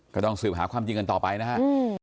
ก็ต้องสืบหาความจริงกันต่อไปนะฮะ